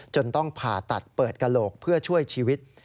ต้องผ่าตัดเปิดกระโหลกเพื่อช่วยชีวิต